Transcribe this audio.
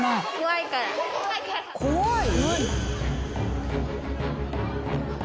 怖い？